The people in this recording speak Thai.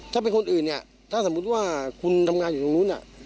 ถ้าเป็นคนอื่นเนี่ยถ้าสมมุติว่าคุณทำงานอยู่ตรงนู้น